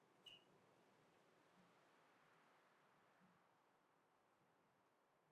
多脉短筒苣苔为苦苣苔科短筒苣苔属下的一个种。